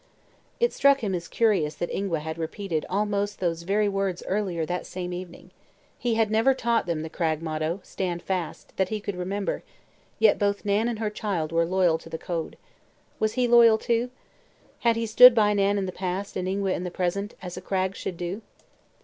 It struck him as curious that Ingua had repeated almost those very words earlier that same evening. He had never taught them the Cragg motto, "Stand Fast," that he could remember, yet both Nan and her child were loyal to the code. Was he loyal, too? Had he stood by Nan in the past, and Ingua in the present, as a Cragg should do?